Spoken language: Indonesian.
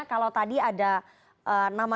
kalau tadi ada nama